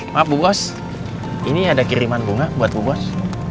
maaf bu bos ini ada kiriman bunga buat bu bos